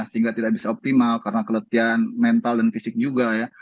sehingga tidak bisa optimal karena keletihan mental dan fisik juga ya